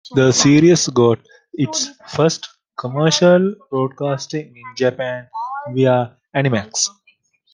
The series got its first commercial broadcasting in Japan via Animax.